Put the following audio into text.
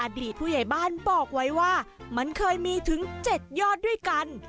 อดีตผู้ใหญ่บ้านบอกไว้ว่ามันเคยมีถึง๗ยอดด้วยกัน